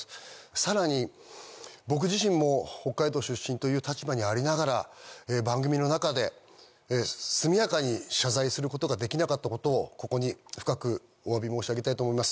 さらに僕自身も北海道出身という立場にありながら、番組の中で速やかに謝罪することができなかったことをここに深くお詫び申し上げたいと思います。